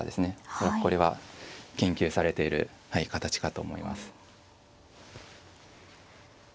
恐らくこれは研究されている形かと思います。